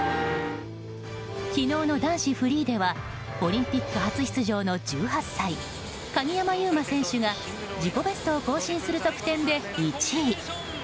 昨日の男子フリーではオリンピック初出場の１８歳鍵山優真選手が自己ベストを更新する得点で１位。